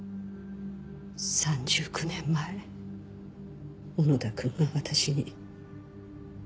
３９年前小野田君が私に。